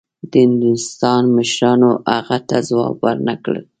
د هندوستان مشرانو هغه ته ځواب ورنه کړ.